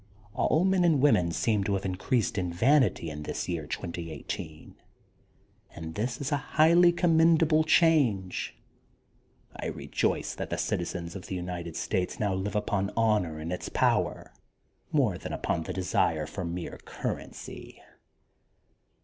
All men and women seem to have increased in vanity in this year 2018, and this is a highly commendable change. I rejoice that citizens of the United States now live upon honor and its power more than upon the desire for mere currency.